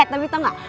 eh tapi tau gak